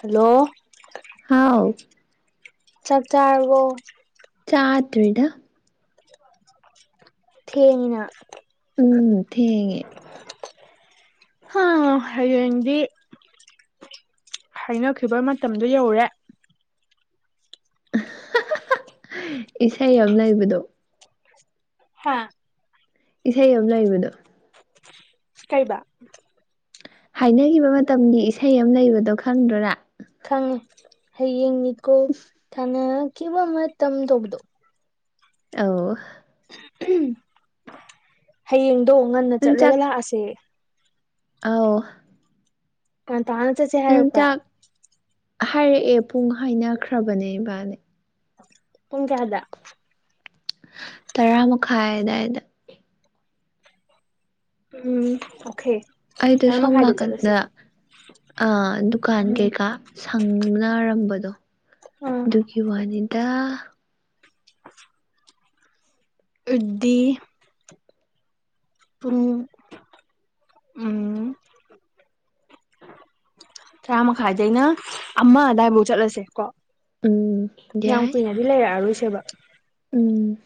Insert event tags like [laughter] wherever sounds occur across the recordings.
hello ꯍꯥꯎ ꯆꯥꯛ ꯆꯥꯔꯕꯣ ꯆꯥꯗ꯭ꯔꯤꯗ ꯊꯦꯡꯉꯤꯅ ꯎꯝ ꯊꯦꯡꯉꯦ ꯍꯥ ꯍꯌꯦꯡꯗꯤ ꯍꯥꯏꯅꯈꯤꯕ ꯃꯇꯝꯗꯨ ꯌꯧꯔꯦ ꯏꯁꯩ ꯑꯝ ꯂꯩꯕꯗꯣ ꯍꯥ ꯏꯁꯩ ꯑꯝ ꯂꯩꯕꯗꯣ ꯀꯩꯕ ꯍꯥꯏꯅꯒꯤꯕ ꯃꯇꯝꯒꯤ ꯏꯁꯩ ꯑꯃ ꯂꯩꯕꯗꯣ ꯈꯪꯗꯔꯥ ꯅꯪ ꯈꯪꯉꯤ ꯍꯌꯦꯡꯅꯤꯀꯣ ꯊꯥꯟꯅꯈꯤꯕ ꯃꯇꯝ ꯇꯧꯕꯗꯣ ꯑꯧ ꯍꯌꯦꯡꯗꯣ ꯉꯟꯅ ꯅꯪ ꯆꯥꯛ ꯆꯠꯂꯒ ꯂꯥꯛꯑꯁꯦ ꯑꯧ ꯉꯟꯇꯥꯅ ꯆꯠꯁꯦ ꯅꯟ ꯍꯥꯏꯔꯛꯄ꯭ꯔꯥ ꯆꯥꯛ ꯍꯥꯏꯔꯛꯑꯦ ꯄꯨꯡ ꯍꯥꯏꯅꯈ꯭ꯔꯕꯅꯦ ꯏꯕꯥꯅꯤ ꯄꯨꯡ ꯀꯌꯥꯗ ꯇꯔꯥ ꯃꯈꯥꯏ ꯑꯗꯥꯏꯗ ꯎꯝ ꯑꯣꯈꯦ ꯑꯩꯗꯣ ꯁꯣꯝ ꯅꯥꯀꯟꯗ ꯑ ꯗꯨꯀꯥꯟ ꯎꯝ ꯀꯩꯀꯥ ꯁꯪꯅꯔꯝꯕꯗꯣ ꯑꯥ ꯑꯗꯨꯒꯤ ꯋꯥꯅꯤꯗ ꯑꯗꯤ ꯄꯨꯡ ꯎꯝ ꯇꯔꯥ ꯃꯈꯥꯏꯗꯩꯅ ꯑꯃ ꯑꯗꯥꯏꯕꯛ ꯆꯠꯂꯁꯦ ꯀꯣ ꯎꯝ ꯌꯥꯏ ꯗꯤ ꯂꯩꯔꯛꯑꯔꯣꯏꯁꯦꯕ ꯎꯝ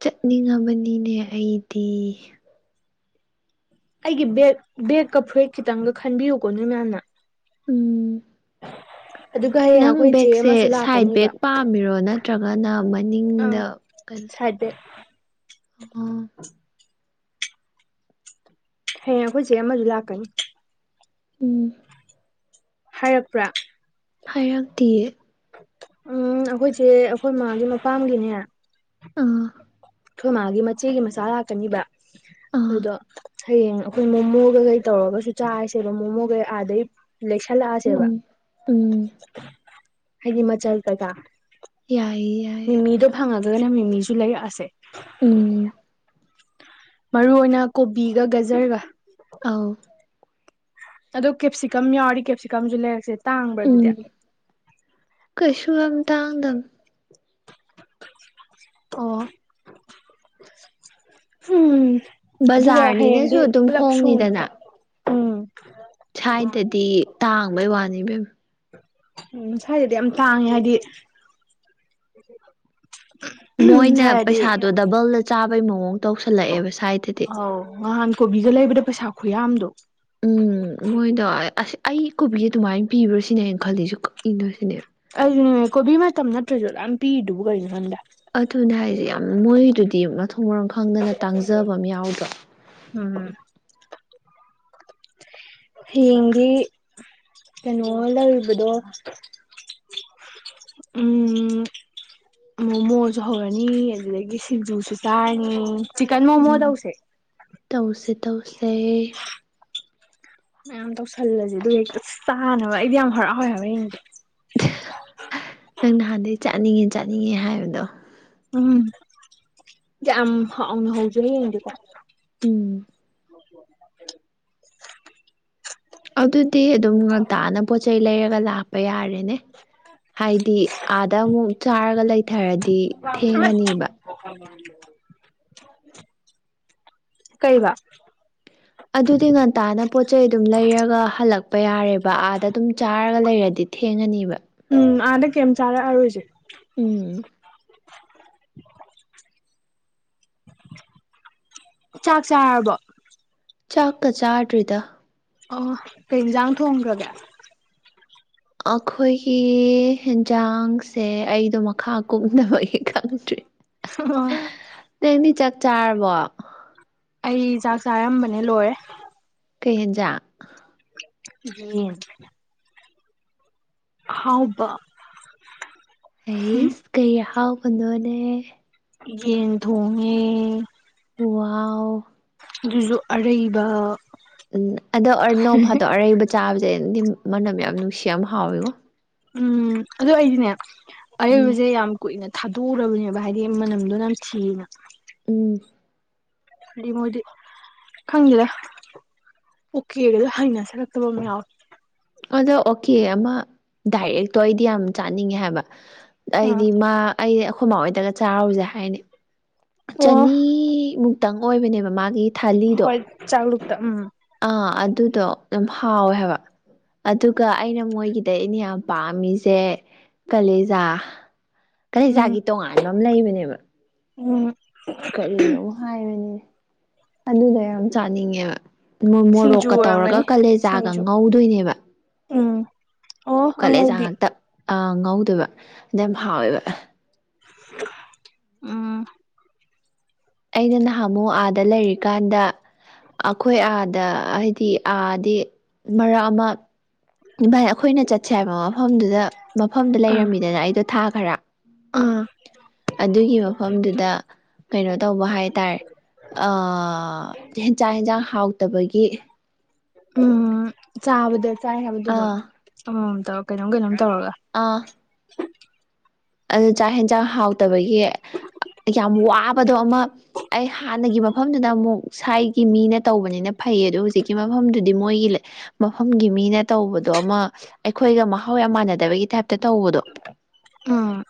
ꯆꯠꯅꯤꯡꯉꯕꯅꯤꯅꯦ ꯑꯩꯗꯤ ꯑꯩꯒꯤ ꯕꯦꯠ ꯕꯦꯛꯀ ꯐꯨꯔꯤꯠ ꯈꯤꯇꯪꯒ ꯈꯟꯕꯤꯌꯨꯀꯣ ꯅꯣꯏ ꯃꯌꯥꯝꯅ ꯎꯝ ꯑꯗꯨꯒ ꯍꯌꯦꯡ ꯅꯪ ꯑꯩꯈꯣꯏ ꯆꯦ ꯕꯦꯛꯁꯦ ꯑꯃꯁꯨ ꯁꯥꯏꯠ ꯂꯥꯛꯀꯅꯤꯕ ꯕꯦꯛ ꯄꯥꯝꯃꯤꯔꯣ ꯅꯠꯇ꯭ꯔꯒꯅ ꯑꯥ ꯃꯅꯤꯡꯗ ꯀꯩꯅꯣ [unintelligible] ꯑꯣ ꯍꯌꯦꯡ ꯑꯩꯈꯣꯏ ꯆꯦ ꯑꯃꯖꯨ ꯂꯥꯛꯀꯅꯤ ꯎꯝ ꯍꯥꯏꯔꯛꯄ꯭ꯔꯥ ꯍꯥꯏꯔꯛꯇꯌꯦ ꯎꯝ ꯑꯩꯈꯣꯏꯁꯦ ꯑꯩꯈꯣꯏ ꯃꯥꯒꯤꯦ ꯃꯄꯥꯝꯒꯤꯅꯦ ꯑꯥ ꯊꯣꯏ ꯃꯥꯒꯤ ꯃꯆꯦꯒꯤ ꯃꯆꯥ ꯂꯥꯛꯀꯅꯤꯕ ꯑꯥ ꯑꯗꯣ ꯍꯌꯦꯡ ꯑꯩꯈꯣꯏ ꯃꯣꯃꯣꯒ ꯀꯩ ꯇꯧꯔꯒꯁꯨ ꯆꯥꯁꯦꯕ ꯃꯣꯃꯣꯒꯩ ꯑꯥꯗꯩ ꯂꯩꯦꯛꯁꯜꯂꯛꯑꯁꯦꯕ ꯎꯝ ꯎꯝ ꯍꯥꯏꯗꯤ ꯃꯆꯜ ꯀꯒ ꯌꯥꯏ ꯌꯥ ꯃꯤꯃꯤꯗꯣ ꯐꯪꯉꯒꯅ ꯃꯤꯃꯤꯁꯨ ꯂꯩꯔꯛꯑꯁꯦ ꯎꯝ ꯃꯔꯨ ꯑꯣꯏꯅ ꯀꯣꯕꯤꯒ ꯒꯖꯔꯒ ꯑꯥꯎ ꯑꯗꯣ ꯀꯦꯞꯁꯤꯀꯝ ꯌꯥꯎꯔꯤ ꯀꯦꯞꯁꯤꯀꯝꯁꯨ ꯂꯩꯔꯛꯁꯦ ꯇꯥꯡꯕ꯭ꯔꯥ ꯑꯗꯨꯗꯤ ꯀꯁꯨ ꯌꯥꯝ ꯇꯥꯡꯗꯗꯝ ꯑꯣ ꯎꯝ ꯑꯗꯨꯒ ꯕꯖꯥꯔꯅꯤꯅꯁꯨ ꯍꯌꯦꯡꯗꯤ ꯑꯗꯨꯝ ꯄꯨꯂꯞ ꯁꯨꯅꯀꯣ ꯍꯣꯡꯅꯤꯗꯅ ꯎꯝ ꯁ꯭ꯋꯥꯏꯗꯗꯤ ꯇꯥꯡꯕꯩ ꯋꯥꯅꯤꯕꯦꯝ ꯎꯝ ꯁ꯭ꯋꯥꯏꯗꯗꯤ ꯌꯥꯝ ꯇꯥꯡꯉꯦ ꯍꯥꯏꯗꯤ ꯃꯣꯏꯅ ꯁ꯭ꯋꯥꯏꯗꯗꯤ ꯄꯩꯁꯥꯗꯣ ꯗꯕꯜꯗ ꯆꯥꯕꯩ ꯃꯑꯣꯡ ꯇꯧꯁꯜꯂꯛꯑꯦꯕ ꯁ꯭ꯋꯥꯏꯗꯗꯤ ꯑꯧ ꯅꯍꯥꯟ ꯀꯣꯕꯤꯒ ꯂꯩꯕꯗ ꯄꯩꯁꯥ ꯈꯨꯌꯥꯗꯣ ꯎꯝ ꯃꯣꯏꯗ ꯑꯁ ꯑꯩ ꯀꯣꯕꯤ ꯑꯗꯨꯃꯥꯏꯅ ꯄꯤꯕ꯭ꯔꯥ ꯁꯤꯅꯦꯅ ꯈꯜꯂꯤꯁꯨ ꯀꯛꯏꯅꯣ ꯁꯤꯅꯦ ꯑꯗꯨꯅꯦ ꯀꯣꯕꯤ ꯃꯇꯝ ꯅꯠꯇ꯭ꯔꯁꯨ ꯑꯗꯨꯝ ꯄꯤꯔꯤꯗꯨꯕꯨ ꯀꯩꯅꯣ ꯈꯪꯗꯦ ꯑꯗꯨꯅꯦ ꯍꯥꯏꯁꯦ ꯌꯥꯝ ꯃꯣꯏꯗꯨꯗꯤ ꯃꯊꯣꯡ ꯃꯔꯣꯝ ꯈꯪꯗꯅ ꯇꯥꯡꯖꯕ ꯑꯃ ꯌꯥꯎꯗꯣ ꯎꯝ ꯍꯗꯤ ꯀꯩꯅꯣ ꯂꯧꯕꯗꯣ ꯎꯝ ꯃꯣꯃꯣꯁꯨ ꯍꯧꯔꯅꯤ ꯑꯗꯨꯗꯒꯤ ꯁꯤꯡꯖꯨꯁꯨ ꯆꯥꯏꯅꯤ ꯆꯤꯛꯀꯟ ꯃꯣꯃꯣ ꯎꯝ ꯇꯧꯁꯦ ꯇꯧꯁꯦ ꯇꯧꯁꯦ ꯃꯌꯥꯝ ꯇꯧꯁꯜꯂꯁꯦ ꯑꯗꯨ ꯍꯦꯛꯛꯇ ꯑ ꯆꯥꯅꯕ ꯑꯩꯗꯤ ꯌꯥꯝ ꯍꯔꯥꯎꯋꯦ ꯍꯥꯏꯕ ꯍꯌꯦꯡ ꯗꯤ ꯅꯪ ꯅꯍꯥꯟꯗꯒꯤꯩ ꯆꯥꯅꯤꯡꯉꯦ ꯆꯥꯅꯤꯡꯉꯦ ꯍꯥꯏꯕꯗꯣ ꯎꯝ ꯍꯧꯖꯅꯤꯗꯤꯀꯣ ꯎꯝ ꯑꯗꯨꯗꯤ ꯑꯗꯨꯝ ꯉꯥꯛꯇꯥꯅ ꯄꯣꯠꯆꯩ ꯂꯩꯔꯒ ꯂꯥꯛꯄ ꯌꯥꯔꯦꯅꯦ ꯍꯥꯏꯗꯤ ꯑꯥꯗ ꯑꯃꯨꯛ ꯆꯥꯔꯒ ꯂꯩꯊꯔꯗꯤ ꯊꯦꯡꯉꯅꯦꯕ ꯀꯩꯕ ꯑꯗꯨꯗꯤ ꯉꯟꯇꯥꯅ ꯄꯣꯠ ꯆꯩꯩ ꯑꯗꯨꯝ ꯂꯩꯔꯒ ꯍꯜꯂꯛꯄ ꯌꯥꯔꯦꯕ ꯑꯥꯗ ꯑꯗꯨꯝ ꯆꯥꯔꯒ ꯂꯩꯔꯗꯤ ꯊꯦꯡꯉꯅꯦꯕ ꯎꯝ ꯑꯥꯗ ꯀꯩꯝ ꯆꯥꯔꯛꯑꯔꯣꯏꯁꯦ ꯎꯝ ꯆꯥꯛ ꯆꯥꯔꯕꯣ ꯆꯥꯛꯀ ꯆꯥꯗ꯭ꯔꯤꯗ ꯑꯣ ꯀꯩ ꯌꯦꯟꯖꯥꯡ ꯊꯣꯡꯈ꯭ꯔꯒꯦ ꯑꯩꯈꯣꯏꯒꯤ ꯌꯦꯟꯖꯥꯡꯁꯦ ꯑꯩꯗꯣ ꯃꯈꯥ ꯀꯨꯞꯅꯕꯒꯤ ꯈꯪꯗ꯭ꯔꯤ [unintelligible] ꯅꯪꯗꯤ ꯆꯥꯛ ꯆꯥꯔꯕꯣ ꯑꯩ ꯆꯥꯛ ꯆꯥꯔꯝꯕꯅꯦ ꯂꯣꯏꯔꯦ ꯀꯩ ꯍꯦꯟꯖ ꯌꯦꯟ ꯑꯍꯧꯕꯔꯣ ꯑꯩꯁ ꯀꯩ ꯍꯥꯎꯕꯅꯣꯅꯦ ꯌꯦꯟ ꯊꯣꯡꯉꯦ ꯋꯥꯋꯥꯎ ꯑꯗꯨꯖꯨ ꯑꯔꯩꯕ ꯎꯝ ꯑꯗꯣ ꯅꯣꯡꯐꯥꯗꯣꯛ ꯑꯔꯩꯕ ꯆꯥꯕꯖꯦ ꯑꯩꯗꯤ ꯃꯅꯝ ꯌꯥꯝ ꯅꯨꯡꯁꯤ ꯌꯥꯝ ꯍꯥꯎꯋꯤꯉꯣ ꯎꯝ ꯑꯗꯨ ꯑꯩꯗꯤꯅꯦ ꯎꯝ ꯑꯔꯩꯕꯖꯦ ꯌꯥꯝ ꯀꯨꯏꯅ ꯊꯥꯗꯣꯛꯎꯔꯕꯅꯦꯕ ꯍꯥꯏꯗꯤ ꯃꯅꯝꯗꯣ ꯅꯝꯊꯤꯅ ꯎꯝ ꯍꯥꯏꯗꯤ ꯃꯣꯏꯗꯤ ꯈꯪꯗꯦꯗ ꯑꯣꯀꯦꯒꯖꯦ ꯍꯩꯅꯁꯜꯂꯛꯇꯕ ꯑꯃ ꯌꯥꯎꯏ ꯑꯗꯣ ꯑꯣꯀꯦ ꯑꯃ ꯗꯥꯏꯔꯦꯛꯇꯣ ꯑꯩꯗꯤ ꯌꯥꯝ ꯆꯥꯅꯤꯡꯉꯦ ꯍꯥꯏꯕ ꯑꯥ ꯑꯩꯗꯤ ꯃꯥ ꯑꯩꯗꯤ ꯑꯩꯈꯣꯏ ꯃꯥꯍꯣꯏꯗꯒ ꯆꯥꯔꯨꯖꯦ ꯍꯥꯏꯅꯤ ꯑꯣ ꯆꯅꯤ ꯃꯨꯛꯇꯪ ꯑꯣꯏꯕꯅꯦꯕ ꯃꯥꯒꯤ ꯊꯥꯂꯤꯗꯣ ꯍꯣꯏ ꯆꯥꯛꯂꯨꯛꯇ ꯎꯝ ꯑꯥ ꯑꯗꯨꯗꯣ ꯑꯗꯨꯝ ꯍꯥꯎꯋꯦ ꯍꯥꯏꯕ ꯑꯗꯨꯒ ꯑꯩꯅ ꯃꯣꯏꯒꯤꯗꯩ ꯑꯩꯅ ꯌꯥꯝ ꯄꯥꯝꯃꯤꯁꯦ ꯀꯂꯦꯖꯥ ꯎꯝ ꯀꯥꯂꯦꯖꯥꯒꯤ ꯇꯣꯉꯥꯟꯕ ꯑꯃ ꯂꯩꯕꯅꯦꯕ ꯎꯝ ꯀꯔꯤꯅꯣꯃ ꯍꯥꯏꯕꯅꯤꯅꯦ ꯑꯗꯨꯗꯣ ꯌꯥꯝ ꯆꯥꯅꯤꯡꯉꯦꯕ ꯃꯣ ꯁꯤꯡꯖꯨ ꯃꯣꯔꯣꯛꯀ ꯇꯧꯔꯒ ꯑꯣꯏꯔꯝꯒꯅꯤ ꯀꯂꯦꯖꯥꯒ ꯁꯤꯡꯖꯨ ꯉꯧꯗꯣꯏꯅꯦꯕ ꯎꯝ ꯑꯣ ꯀꯂꯦꯖꯥ ꯑꯉꯧꯕꯤ ꯉꯥꯛꯇ ꯑ ꯉꯧꯗꯣꯏꯕ ꯑꯗꯨ ꯌꯥꯝ ꯍꯥꯎꯋꯦꯕ ꯎꯝ ꯑꯩꯅ ꯅꯍꯥꯟꯃꯨꯛ ꯑꯥꯗ ꯂꯩꯔꯤꯀꯥꯟꯗ ꯑꯈꯣꯏ ꯑꯥꯗ ꯍꯥꯏꯗꯤ ꯑꯥꯗꯤ ꯃꯔꯛ ꯑꯃ ꯚꯥꯏ ꯑꯩꯈꯣꯏꯅ ꯆꯠꯁꯦ ꯍꯥꯏꯕ ꯃꯐꯝꯗꯨꯗ ꯃꯐꯝꯗ ꯑꯥ ꯂꯩꯔꯝꯃꯤꯗꯅ ꯑꯩꯗꯣ ꯊꯥ ꯈꯔ ꯑꯥ ꯑꯗꯨꯒꯤ ꯃꯐꯝꯗꯨꯗ ꯀꯩꯅꯣ ꯇꯧꯕ ꯍꯥꯏꯇꯥꯔꯦ ꯑ [unintelligible] ꯏꯟꯁꯥꯡ ꯍꯥꯎꯇꯕꯒꯤ ꯎꯝ ꯆꯥꯕꯗ ꯆꯥꯏ ꯍꯥꯏꯕꯗꯣ ꯑꯗꯨꯝ ꯑꯥ ꯑꯃꯝꯃꯝ ꯇꯧꯔ ꯀꯩꯅꯣꯝ ꯀꯩꯅꯣꯝ ꯇꯧꯔꯒ ꯑꯥ ꯑꯗꯨ ꯆꯥꯛ ꯍꯦꯟꯖꯥꯡ ꯍꯥꯎꯇꯕꯒꯤ ꯌꯥꯝ ꯋꯥꯕꯗꯣ ꯑꯃ ꯑꯩ ꯍꯥꯟꯅꯒꯤ ꯃꯐꯝꯗꯨꯗ ꯑꯃꯨꯛ ꯁ꯭ꯋꯥꯏꯒꯤ ꯃꯤꯅ ꯇꯧꯕꯅꯤꯅ ꯐꯩ ꯑꯗꯨ ꯍꯧꯖꯤꯛꯀꯤ ꯃꯐꯝꯗꯨꯗꯤ ꯃꯣꯏꯒꯤ ꯂꯩ ꯃꯐꯝꯒꯤ ꯃꯤꯅ ꯇꯧꯕꯗꯣ ꯑꯃ ꯑꯩꯈꯣꯏꯒ ꯃꯍꯥꯎ ꯌꯥꯝ ꯃꯥꯟꯅꯗꯕꯒꯤ ꯇꯥꯏꯞꯇ ꯇꯧꯕꯗꯣ ꯎꯝ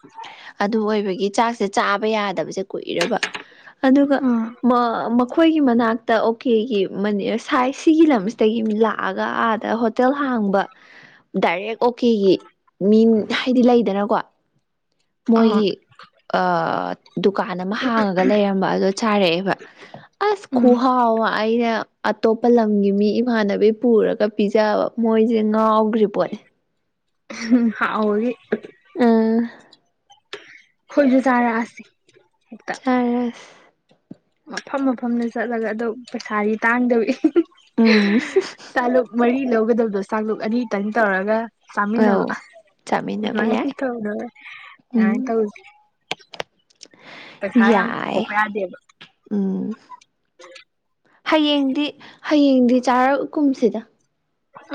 ꯑꯗꯨ ꯑꯣꯏꯕꯒꯤ ꯆꯥꯛꯁꯦ ꯆꯥꯕ ꯌꯥꯗꯕꯁꯦ ꯀꯨꯏꯔꯕ ꯑꯗꯨꯒ ꯎꯝ ꯃ ꯃꯈꯣꯏꯒꯤ ꯃꯅꯥꯛꯇ ꯑꯣꯀꯦꯒꯤ ꯃꯅꯤꯔ ꯁꯥꯏ ꯁꯤꯒꯤ ꯂꯝꯁꯤꯗꯒꯤ ꯃꯤ ꯂꯥꯛ ꯑꯥꯒ ꯑꯥꯗ ꯍꯣꯇꯦꯜ ꯍꯥꯡꯕ ꯗꯥꯏꯔꯦꯛ ꯑꯣꯀꯦꯒꯤ ꯃꯤ ꯍꯥꯏꯗꯤ ꯂꯩꯗꯅꯀꯣ ꯑ ꯃꯣꯏꯒꯤ ꯑ ꯗꯨꯀꯥꯟ ꯑꯃ ꯍꯥꯡꯉꯒ ꯂꯩꯔꯝꯕ ꯑꯗꯣ ꯆꯥꯔꯛꯑꯦꯕ ꯑꯁ ꯎꯝ ꯈꯨꯍꯥꯎ ꯑꯃ ꯑꯩꯅ ꯑꯇꯣꯞꯄ ꯂꯝꯒꯤ ꯃꯤ ꯏꯃꯥꯟꯅꯕꯤ ꯄꯨꯔꯒ ꯄꯤꯖꯕ ꯃꯣꯏꯖꯤ ꯉꯥꯎꯒ꯭ꯔꯤ ꯄꯣꯠꯅꯤ ꯍꯥꯎꯕꯒꯤ ꯎꯝ ꯈꯣꯏꯖꯨ ꯆꯥꯔꯛꯑꯁꯤ ꯍꯦꯛꯇ [unintelligible] ꯃꯐꯝ ꯃꯐꯝꯗ ꯆꯠꯂꯒ ꯑꯗꯨ ꯄꯩꯁꯥꯗꯤ ꯇꯥꯡꯗꯧꯔꯤ ꯎꯝ ꯆꯥꯂꯨꯛ ꯃꯔꯤ ꯂꯧꯒꯗꯕꯗꯣ ꯆꯥꯛꯂꯨꯛ ꯑꯅꯤ ꯇꯪ ꯇꯧꯔꯒ ꯆꯥꯃꯤꯟꯅꯕ ꯑꯧ ꯆꯥꯃꯤꯟꯅꯕ ꯑꯗꯨꯃꯥꯏ ꯌꯥꯏ ꯍꯦꯛꯇ [unintelligible] ꯎꯝ ꯑꯗꯨꯃꯥꯏ ꯇꯧꯖꯤ ꯌꯥꯝ ꯌꯥꯏ ꯂꯧꯊꯣꯛꯄ ꯌꯥꯗꯦꯕ ꯎꯝ ꯍꯌꯦꯡꯗꯤ ꯍꯌꯦꯡꯗꯤ ꯆꯥꯔꯛꯀꯨꯝꯁꯤꯗ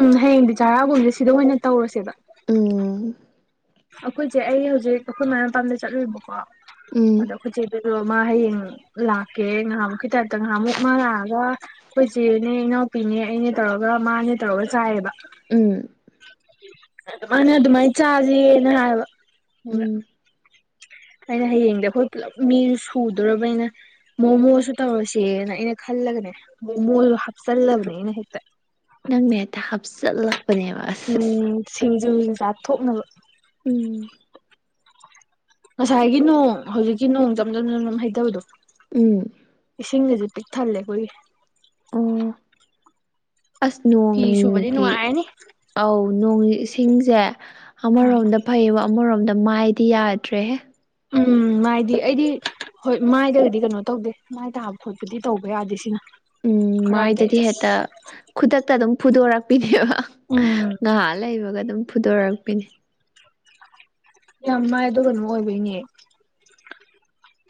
ꯎꯝ ꯍꯌꯦꯡꯗꯤ ꯆꯥꯔꯑꯒꯨꯝꯁꯦ ꯁꯤꯗ ꯑꯣꯏꯅ ꯇꯧꯔꯁꯦꯕ ꯎꯝ ꯑꯈꯣꯏꯆꯦ ꯑꯩ ꯍꯧꯖꯤꯛ ꯑꯈꯣꯏ ꯃꯥꯏ ꯃꯄꯥꯝꯗ ꯆꯠꯂꯨꯏꯕꯀꯣ ꯎꯝ ꯑꯗ [unintelligible] ꯃꯥ ꯍꯌꯦꯡ ꯂꯥꯛꯀꯦ ꯉꯍꯥꯟꯃꯨꯛꯀꯤ ꯇꯥꯏꯞꯇ ꯉꯍꯥꯟꯃꯨꯛ ꯃꯥ ꯂꯥꯛꯑꯒ ꯑꯩꯈꯣꯏ ꯆꯦꯅꯦ ꯏꯅꯥꯎꯄꯤꯅꯦ ꯑꯩꯅꯦ ꯇꯧꯔꯒ ꯃꯥꯅꯦ ꯇꯧꯔꯒ ꯆꯥꯏꯌꯦꯕ ꯎꯝ ꯑꯗꯨꯃꯥꯏꯅ ꯑꯗꯨꯃꯥꯏꯅ ꯆꯥꯥꯖꯦꯅ ꯍꯥꯏꯕ ꯎꯝ ꯑꯩꯅ ꯍꯌꯦꯡꯗꯤ ꯑꯩꯈꯣꯏ ꯄꯨꯜꯂꯞ ꯃꯤꯖꯨ ꯁꯨꯗꯣꯔꯕꯅꯤꯅ ꯃꯣꯃꯣꯁꯨ ꯇꯧꯔꯁꯦꯅ ꯑꯩꯅ ꯈꯜꯂꯒꯅꯦ ꯃꯣꯃꯣꯖꯨ ꯍꯥꯞꯆꯜꯂꯕꯅꯦ ꯑꯩꯅ ꯍꯦꯛꯇ ꯅꯪꯅ ꯍꯦꯛꯇ ꯍꯥꯞꯆꯜꯂꯛꯄꯅꯦꯕ ꯑꯁ ꯑꯁ ꯁꯤꯡꯖꯨꯁꯧ ꯆꯥꯊꯣꯛꯅꯕ ꯎꯝ ꯉꯁꯥꯏꯒꯤ ꯅꯣꯡ ꯍꯧꯖꯤꯛꯀꯤ ꯅꯣꯡ ꯖꯝ ꯖꯝ ꯖꯝ ꯍꯩꯇꯕꯗꯣ ꯎꯝ ꯏꯁꯤꯡꯒꯁꯤ ꯄꯤꯛ ꯊꯜꯂꯦ ꯑꯩꯈꯣꯏꯒꯤ ꯑꯣ ꯑꯁ ꯐꯤ ꯁꯨꯕꯗꯤ ꯅꯣꯡꯒꯤ ꯅꯨꯡꯉꯥꯏꯔꯅꯤ ꯑꯧ ꯅꯣꯡ ꯏꯁꯤꯡꯁꯦ ꯎꯝ ꯑꯃꯔꯣꯝꯗ ꯐꯩꯕ ꯑꯃꯔꯣꯝꯗ ꯃꯥꯏꯗꯤ ꯌꯥꯗ꯭ꯔꯦꯍꯦ ꯎꯝ ꯃꯥꯏꯗꯤ ꯑꯩꯗꯤ ꯍꯣꯏ ꯃꯥꯏꯗꯒꯗꯤ ꯀꯩꯅꯣ ꯇꯧꯗꯦ ꯃꯥꯏ ꯇꯥꯕ ꯈꯣꯠꯄꯗꯤ ꯇꯧꯕ ꯌꯥꯗꯦ ꯁꯤꯅ ꯎꯝ ꯀꯔꯥꯏꯗꯩ ꯃꯥꯏꯗꯗꯤ ꯑꯁ ꯍꯦꯛꯇ ꯈꯨꯗꯛꯇ ꯑꯗꯨꯝ ꯐꯨꯗꯣꯔꯛꯄꯤꯅꯦꯕ ꯎꯝ ꯉꯥꯏꯍꯥ ꯂꯩꯕꯒ ꯑꯗꯨꯝ ꯐꯨꯗꯣꯔꯛꯄꯤꯅꯤ ꯌꯥꯝ ꯃꯥꯏꯗꯣ ꯀꯩꯅꯣ ꯑꯣꯏꯕꯩꯅꯦ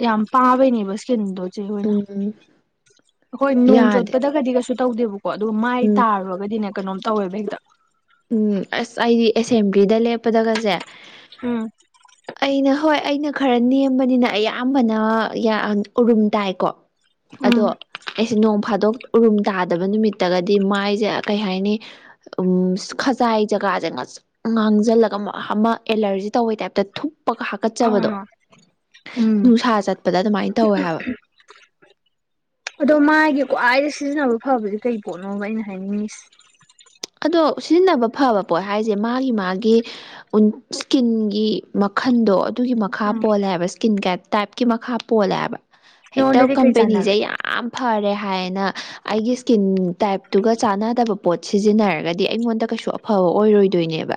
ꯌꯥꯝ ꯄꯥꯕꯩꯅꯦꯕ ꯢꯁꯀꯦꯟꯗꯣ ꯁꯦ ꯍꯣꯏꯅ ꯎꯝ ꯑꯩꯈꯣꯏ ꯅꯣꯡ ꯌꯥꯗꯦ ꯆꯣꯠꯄꯗꯒꯗꯤ ꯀꯩꯁꯨ ꯇꯧꯗꯦꯕꯣ ꯀꯣ ꯑꯗꯨ ꯃꯥꯏ ꯎꯝ ꯇꯥꯔꯨꯔꯒꯗꯤꯅꯦ ꯀꯩꯅꯣꯝ ꯇꯧꯋꯦꯕ ꯍꯦꯛꯇ ꯎꯝ ꯑꯁ ꯑꯩꯗꯤ ꯑꯦꯁꯦꯝꯕ꯭ꯂꯤꯗ ꯂꯦꯞꯄꯗꯒꯁꯦ ꯎꯝ ꯑꯩꯅ ꯍꯣꯏ ꯑꯩꯅ ꯈꯔ ꯅꯦꯝꯕꯅꯤꯅ ꯑꯌꯥꯝꯕꯅ ꯎꯔꯨꯝ ꯇꯥꯏꯀꯣ ꯑꯗꯣ ꯎꯝ ꯑꯩꯁꯦ ꯅꯣꯡ ꯐꯥꯗꯣꯛ ꯎꯔꯨꯝ ꯇꯥꯗꯕ ꯅꯨꯃꯤꯠꯇꯒꯗꯤ ꯃꯥꯏꯁꯦ ꯀꯩ ꯍꯥꯏꯅꯤ ꯎꯝ ꯈꯖꯥꯏ ꯖꯒꯥꯁꯦ ꯉꯥꯡꯁꯤꯜꯂꯒ ꯑꯃ ꯑꯦꯂꯔꯖꯤ ꯇꯧꯕꯩ ꯇꯥꯏꯞꯇ ꯊꯨꯞꯄꯒ ꯀꯠꯆꯕꯗꯣ ꯑꯥ ꯎꯝ ꯅꯨꯡꯁꯥ ꯆꯠꯄꯗ ꯑꯗꯨꯃꯥꯏꯅ ꯇꯧꯋꯦ ꯍꯥꯏꯕ [unintelligible] ꯑꯗꯣ ꯃꯥꯒꯤ ꯈ꯭ꯋꯥꯏꯗ ꯁꯤꯖꯤꯟꯅꯕ ꯐꯕꯗꯤ ꯀꯩ ꯄꯣꯠꯅꯣꯕ ꯑꯩꯅ ꯍꯥꯏꯅꯤꯡꯉꯁꯤ ꯑꯗꯣ ꯁꯤꯖꯤꯟꯅꯕ ꯐꯕ ꯄꯣꯠ ꯍꯥꯏꯁꯦ ꯃꯥꯒꯤ ꯃꯥꯒꯤ ꯏꯁꯀꯤꯟꯒꯤ ꯃꯈꯟꯗꯣ ꯑꯗꯨꯒꯤ ꯃꯈꯥ ꯎꯝ ꯄꯣꯜꯂꯦꯕ ꯏꯁꯀꯤꯟ ꯀꯦꯠ ꯇꯥꯏꯞꯀꯤ ꯃꯈꯥ ꯄꯣꯜꯂꯦꯕ ꯍꯦꯛꯇ ꯅꯉꯣꯟꯗꯗꯤ ꯀꯩ ꯀꯝꯄꯦꯅꯤꯁꯦ ꯆꯥꯟꯅꯒꯦ ꯌꯥꯝ ꯌꯥꯝ ꯐꯔꯦ ꯍꯥꯏꯅ ꯑꯩꯒꯤ ꯏꯁꯀꯤꯟ ꯇꯥꯏꯞꯇꯨꯒ ꯆꯥꯟꯅꯗꯕ ꯄꯣꯠꯁꯦ ꯁꯤꯖꯤꯟꯅꯔꯒꯗꯤ ꯑꯩꯉꯣꯟꯗ ꯀꯩꯁꯨ ꯑꯐꯕ ꯑꯣꯏꯔꯣꯏꯗꯣꯏꯅꯦꯕ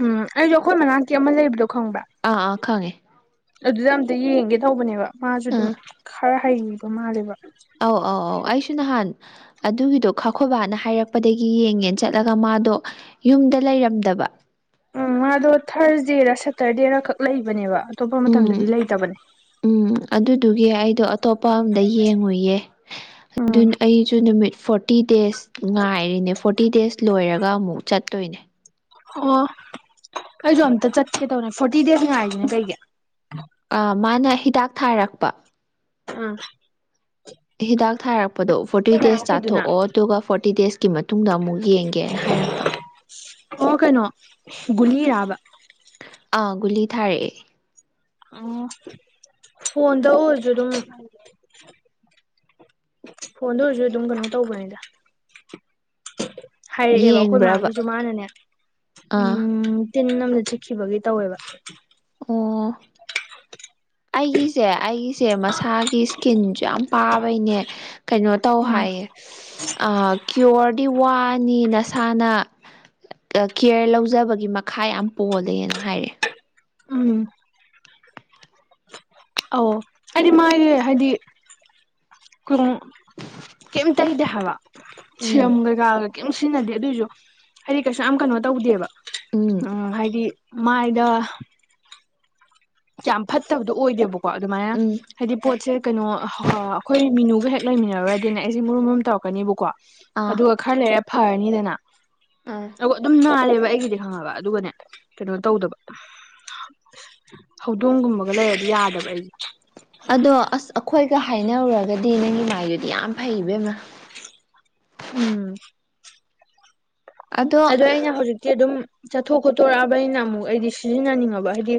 ꯎꯝ ꯑꯩꯁꯨ ꯑꯩꯈꯣꯏ ꯃꯅꯥꯛꯇ ꯑꯃ ꯂꯩꯕꯗꯣ ꯈꯪꯕ꯭ꯔꯥ ꯑꯥ ꯑꯥ ꯈꯪꯉꯦ ꯑꯗꯨꯗ ꯑꯝꯇ ꯌꯦꯡꯒꯦ ꯇꯧꯕꯅꯦꯕ ꯃꯥꯁꯨ ꯑꯗꯨꯝ ꯑꯥ ꯈꯔ ꯍꯩꯕ ꯃꯥꯜꯂꯦꯕ ꯑꯧ ꯑꯧ ꯑꯧ ꯑꯩꯁꯨ ꯅꯍꯥꯟ ꯑꯗꯨꯒꯤꯗꯣ ꯈꯥꯈꯣꯏꯕꯅ ꯍꯥꯏꯔꯛꯄꯗꯒꯤ ꯌꯦꯡꯉꯦꯅ ꯆꯠꯂꯒ ꯃꯥꯗꯣ ꯌꯨꯝꯗ ꯂꯩꯔꯝꯗꯕ ꯎꯝ ꯉꯗꯣ ꯊꯥꯔꯁꯗꯦꯔ ꯁꯦꯇꯔꯗꯦꯔ ꯈꯛ ꯂꯩꯕꯅꯦꯕ ꯑꯇꯣꯞꯄ ꯎꯝ ꯃꯇꯝꯗꯗꯤ ꯂꯩꯇꯕꯅꯦ ꯎꯝ ꯑꯗꯨꯗꯨꯒꯤ ꯑꯩꯗꯣ ꯑꯇꯣꯞꯄ ꯑꯝꯗ ꯌꯦꯡꯉꯨꯢꯌꯦ ꯑꯗꯨ ꯎꯝ ꯑꯩꯁꯨ ꯅꯨꯃꯤꯠ ꯐꯣꯔ ꯐꯣꯔꯇꯤ ꯗꯦꯖ ꯉꯥꯏꯔꯤꯅꯦ ꯐꯣꯔꯇꯤ ꯗꯦꯖ ꯂꯣꯏꯔꯒ ꯑꯃꯨꯛ ꯆꯠꯇꯣꯏꯅꯦ ꯑꯣ ꯑꯩꯁꯨ ꯑꯝꯇ ꯆꯠꯀꯦ ꯇꯧꯅꯦ ꯐꯣꯔꯇꯤ ꯗꯦꯖ ꯉꯥꯏꯁꯤꯅ ꯀꯩꯒꯤ ꯃꯥꯅ ꯍꯤꯗꯥꯛ ꯊꯥꯔꯛꯄ ꯑꯥ ꯍꯤꯗꯥꯛ ꯊꯥꯔꯛꯄꯗꯣ ꯐꯣꯔꯇꯤ ꯗꯦꯖ ꯆꯥꯊꯣꯛꯑꯣ ꯑꯗꯨꯒ ꯐꯣꯔꯇꯤ ꯗꯦꯖꯀꯤ ꯃꯇꯨꯡꯗ ꯑꯃꯨꯛ ꯌꯦꯡ ꯒꯦꯅ ꯍꯥꯏꯔꯛꯄ ꯑꯣ ꯀꯩꯅꯣ ꯀꯨꯂꯤꯔꯥꯕ ꯑꯒꯂꯤ ꯊꯥꯔꯦ ꯑꯣ ꯐꯣꯟꯣꯟꯗ ꯍꯗꯣ ꯐꯣꯟꯗ ꯑꯣꯏꯔꯁꯨ ꯑꯗꯨꯝ ꯀꯩꯅꯣ ꯇꯧꯕꯅꯤꯗ ꯍꯥꯏꯔꯛꯑꯦꯕ ꯑꯩꯈꯣꯏ ꯌꯦꯡꯕ꯭ꯔꯕ ꯃꯥꯥꯗꯨꯁꯨ ꯃꯥꯅꯅꯦ ꯑꯥ ꯎꯝ ꯇꯤꯟ ꯑꯃꯝꯗ ꯆꯤꯠꯈꯤꯕꯒꯤ ꯇꯧꯋꯦꯕ ꯑꯣ [unintelligible] ꯑꯩꯒꯤꯁꯦ ꯑꯩꯒꯤꯁꯦ ꯃꯁꯥꯒꯤ ꯏꯁꯀꯤꯟꯁꯨ ꯌꯥꯝ ꯄꯥꯕꯩꯅꯦ ꯀꯩꯅꯣ ꯇꯧ ꯍꯥꯏꯌꯦ ꯀ꯭ꯤꯌꯣꯔꯗꯤ ꯋꯥꯅꯤ ꯅꯁꯥꯅ ꯀꯤꯌꯔ ꯂꯧꯖꯕꯒꯤ ꯃꯈꯥ ꯌꯥꯝ ꯄꯣꯜꯂꯦꯅ ꯍꯥꯏꯔꯦ ꯎꯝ ꯑ ꯍꯥꯏꯗꯤ ꯃꯥꯒꯤ ꯍꯥꯏꯗꯤ ꯀ ꯀꯝꯇ ꯏꯗ ꯍꯥꯋꯥ ꯎꯝ ꯁꯤꯃꯒ ꯀꯩ ꯁꯤꯖꯤꯟꯅꯗꯦ ꯑꯗꯨꯑꯣꯏꯁꯨ ꯍꯥꯏꯗꯤ ꯀꯩꯁꯨ ꯌꯥꯝ ꯀꯩꯅꯣ ꯇꯧꯗꯦꯕ ꯎꯝ ꯍꯥꯏꯗꯤ ꯃꯥ ꯏꯗ ꯌꯥꯝ ꯐꯠꯇꯕꯗꯣ ꯑꯣꯏꯗꯦꯕꯀꯣ ꯑꯗꯨꯃꯥꯏꯅ ꯎꯝ ꯍꯥꯏꯗꯤ ꯄꯣꯠꯁꯦ ꯀꯩꯅꯣ ꯑꯩꯈꯣꯏ ꯃꯤꯅꯨꯒ ꯍꯦꯛ ꯂꯩꯃꯤꯟꯅꯔꯨꯔꯗꯤꯅꯦ ꯑꯩꯁꯤꯦ ꯃꯨꯔꯨꯝ ꯃꯨꯝ ꯇꯧꯔꯛꯀꯅꯤꯕꯀꯣ ꯑꯥ ꯑꯗꯨꯒ ꯈꯔ ꯂꯩꯔꯦ ꯐꯔꯅꯤꯗꯅ ꯑꯥ ꯑ ꯑꯗꯨꯝ ꯅꯥꯂꯦꯕ ꯑꯩꯒꯤꯗꯤ ꯈꯪꯉꯕ ꯑꯗꯨꯒꯅꯦ ꯀꯩꯅꯣ ꯇꯧꯗꯕ ꯍꯧꯗꯣꯡꯒꯨꯝꯕꯒ ꯂꯩꯔꯗꯤ ꯌꯥꯗꯕ ꯑꯩꯁ ꯑꯗꯣ ꯑꯁ ꯑꯩꯈꯣꯏꯒ ꯍꯥꯏꯅꯔꯨꯔꯒꯗꯤ ꯅꯪꯒꯤ ꯃꯥꯏꯗꯨꯗꯤ ꯌꯥꯝ ꯐꯩꯕꯦꯝꯅ ꯎꯝ ꯑꯗꯣ ꯑꯩꯅ ꯍꯧꯖꯤꯛꯇꯤ ꯑꯗꯨꯝ ꯆꯠꯊꯣꯛ ꯈꯣꯠꯇꯣꯔꯛꯑꯕ ꯑꯩꯅ ꯑꯃꯨꯛ ꯑꯩꯗꯤ ꯁꯤꯖꯤꯟꯅꯅꯤꯡꯉꯕ ꯍꯥꯏꯗꯤ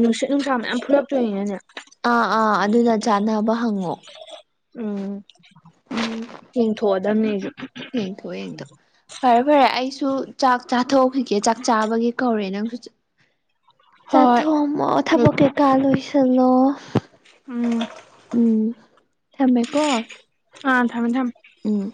ꯅꯨꯡꯁꯤꯠ ꯅꯨꯡꯁꯥ ꯃꯌꯥꯝ ꯐꯨꯂꯛꯇꯣꯏꯅꯦꯅꯦ ꯑꯥ ꯑꯥ ꯑꯗꯨꯅ ꯆꯥꯟꯅꯕ ꯍꯪꯉꯣ ꯎꯝ ꯎꯝ ꯊꯦꯡꯊꯣꯛꯑꯗꯝꯅꯤꯁꯨ ꯌꯦꯡꯊꯣꯛ ꯌꯦꯡꯊꯣ ꯐꯔꯦ ꯐꯔꯦ ꯑꯩꯁꯨ ꯆꯥꯛ ꯆꯥꯊꯣꯛꯈꯤꯒꯦ ꯆꯥꯕꯒꯤ ꯀꯧꯔꯦ ꯅꯪꯁꯨ ꯆꯥ ꯍꯣꯏ ꯊꯣꯡ ꯑꯣ ꯍꯣꯏ ꯊꯕ ꯀꯦꯀꯥ ꯂꯣꯏꯁꯂꯣ ꯎꯝ ꯎꯝ ꯊꯝꯃꯦꯀꯣ ꯑ ꯊꯝꯃꯦ ꯊꯝꯃꯦ ꯎꯝ